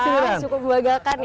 cukup berbahagia kan ya